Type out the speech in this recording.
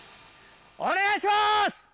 お願いします！